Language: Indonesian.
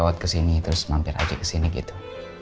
lewat kesini terus mampir aja kesini gitu